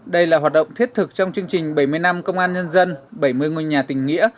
đây là hoạt động thiết thực trong chương trình bảy mươi năm công an nhân dân bảy mươi ngôi nhà tình nghĩa